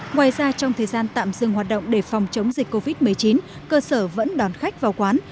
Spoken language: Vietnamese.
ngoài ra trong thời gian tạm dừng hoạt động để phòng chống dịch covid một mươi chín cơ sở vẫn đón khách vào quán